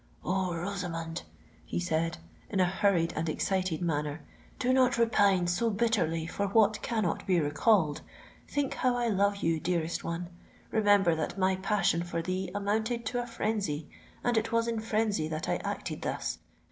"O Rosamond!" he said, in a hurried and excited manner; "do not repine so bitterly for what cannot be recalled! Think how I love you, dearest one—remember that my passion for thee amounted to a frenzy,—and it was in frenzy that I acted thus.